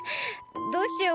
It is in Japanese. どうしよう。